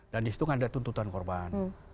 dan di situ kan ada tuntutan korban